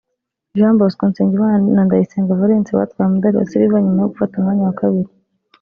Jean Bosco Nsengimana na Ndayisenga Valens batwaye umudali wa Silver nyuma yo gufata umwanya wa kabiri